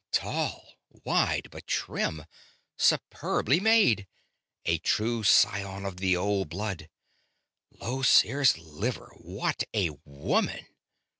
Tall wide but trim superbly made a true scion of the old blood Llosir's liver, what a woman!